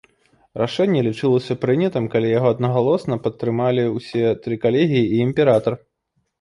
Рашэнне лічылася прынятым, калі яго аднагалосна падтрымалі ўсе тры калегіі і імператар.